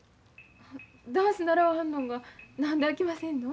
ダンス習わはんのんが何であきませんの？